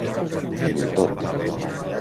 En un tot